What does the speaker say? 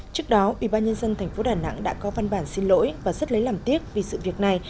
trước đó ubnd tp đà nẵng đã có văn bản xin lỗi và rất lấy làm tiếc vì sự việc này